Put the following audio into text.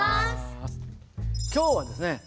今日はですね